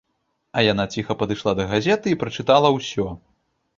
А яна ціха падышла да газеты і прачытала ўсё.